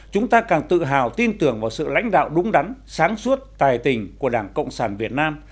chúng ta càng tự hào tin tưởng vào sự lãnh đạo đúng đắn sáng suốt tài tình của đảng cộng sản việt nam